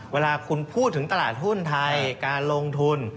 เวลาคุณพูดถึงตลาดหุ้นไทยการลงทุน